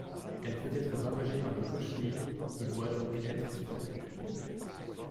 Elle peut être ravagée par les cochenilles et doit donc être traitée.